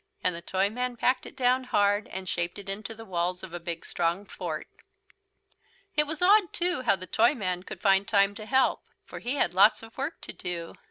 And the Toyman packed it down hard, and shaped it into the walls of a big strong fort. It was odd, too, how the Toyman could find time to help. For he had lots of work to do.